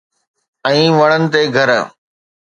۽ وڻن تي گھر